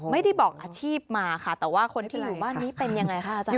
ไม่ได้บอกอาชีพมาค่ะแต่ว่าคนที่อยู่บ้านนี้เป็นยังไงคะอาจารย